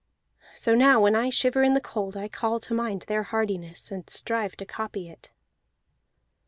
So now when I shiver in the cold I call to mind their hardiness, and strive to copy it."